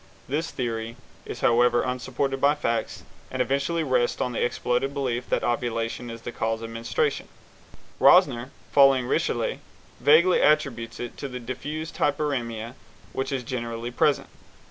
This theory is, however, unsupported by facts, and eventually rests on the exploded belief that ovulation is the cause of menstruation. Rosner, following Richelet, vaguely attributes it to the diffused hyperæmia which is generally present.